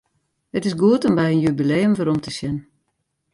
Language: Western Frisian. It is goed om by in jubileum werom te sjen.